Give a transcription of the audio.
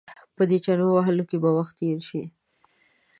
په دې چنو وهلو کې به وخت تېر شي.